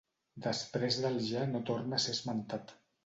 Després del ja no torna a ser esmentat.